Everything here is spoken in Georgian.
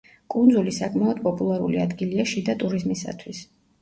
კუნძული საკმაოდ პოპულარული ადგილია შიდა ტურიზმისათვის.